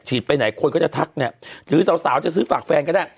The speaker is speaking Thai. ไปไหนคนก็จะทักเนี่ยหรือสาวจะซื้อฝากแฟนก็ได้